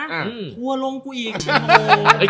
กว่าลงกูอีก